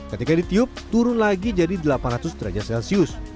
ketika ditiup turun lagi jadi delapan ratus derajat celcius